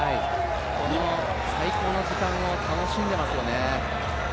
最高の時間を楽しんでいますよね。